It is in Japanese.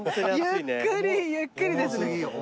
ゆっくりゆっくりですね。